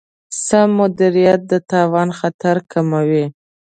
سم مدیریت د تاوان خطر کموي.